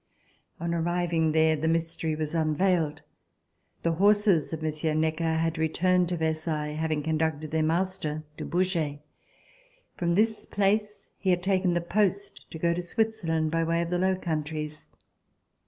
On arriving there the mystery was unveiled. The horses of Mon sieur Necker had returned to Versailles after having conducted their master to Bourget. From this place he had taken the post to go to Switzerland by way of the Low Countries.